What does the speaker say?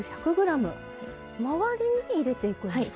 周りに入れていくんですか？